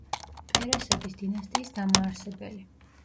პერესების დინასტიის დამაარსებელი.